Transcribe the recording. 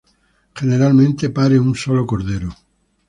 Generalmente pare un solo cordero.